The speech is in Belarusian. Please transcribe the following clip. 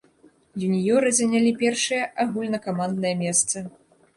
Юніёры занялі першае агульнакаманднае месца.